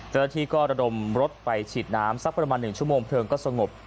เจ้าหน้าที่ก็ระดมรถไปฉีดน้ำสักประมาณ๑ชั่วโมงเพลิงก็สงบ